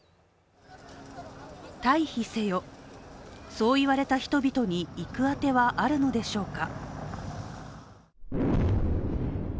退避せよ、そう言われた人々に行く当てはあるのでしょうか。